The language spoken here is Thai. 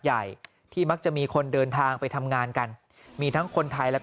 ใหญ่ที่มักจะมีคนเดินทางไปทำงานกันมีทั้งคนไทยและ